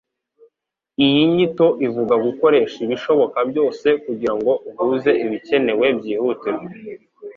Iyi nyito ivuga gukoresha ibishoboka byose kugirango uhuze ibikenewe byihutirwa